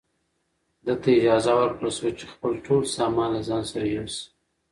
ده ته اجازه ورکړل شوه چې خپل ټول سامان له ځان سره یوسي.